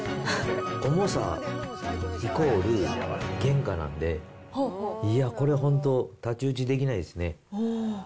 重さイコール原価なんで、これ本当、太刀打ちできないですね。